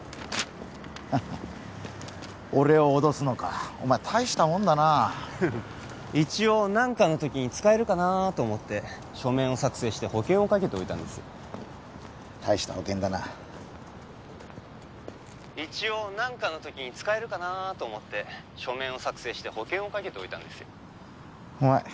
ハハ俺を脅すのかお前大したもんだなあフフッ一応何かのときに使えるかなと思って書面を作成して保険をかけておいたんです大した保険だな一応何かのときに使えるかなと思って書面を作成して保険をかけておいたんですお前